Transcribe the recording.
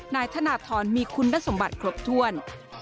นายธนทรมีคุณสมบัติครบถ้วน